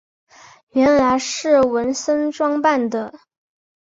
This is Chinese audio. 原来是文森装扮的。